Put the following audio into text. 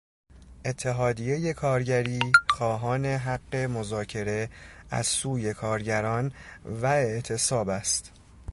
اتحادیهی کارگری خواهان حق مذاکره از سوی کارگران و اعتصاب است.